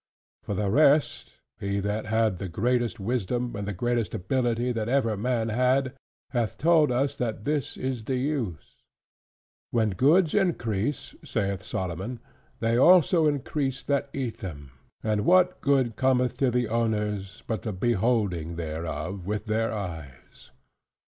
For the rest, he that had the greatest wisdom and the greatest ability that ever man had, hath told us that this is the use: "When goods increase (saith Solomon) they also increase that eat them; and what good cometh to the owners, but the beholding thereof with their eyes?"